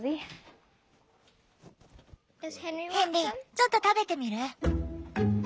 ヘンリーちょっと食べてみる？